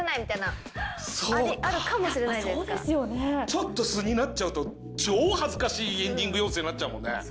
ちょっと素になっちゃうと超恥ずかしいエンディング妖精になっちゃうもんね。